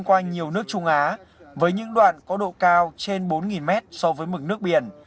từ nước trung á với những đoạn có độ cao trên bốn m so với mực nước biển